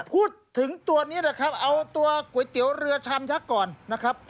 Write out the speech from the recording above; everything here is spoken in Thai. พูดถึงตัวนี้แหละครับเอาตัวก๋วยเตี๋ยวเรือชามยักษ์ก่อนนะครับ